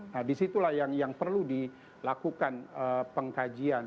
nah disitulah yang perlu dilakukan pengkajian